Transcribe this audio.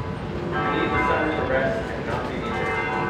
I need the summer to rest and not be injured.